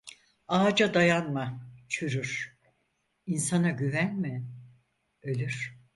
Ağaca dayanma çürür, insana güvenme ölür.